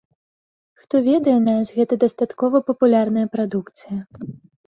Хто ведае нас, гэта дастаткова папулярная прадукцыя.